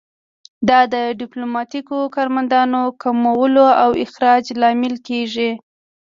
دا د ډیپلوماتیکو کارمندانو کمولو او اخراج لامل کیږي